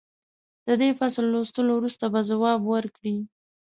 د دې فصل لوستلو وروسته به ځواب ورکړئ.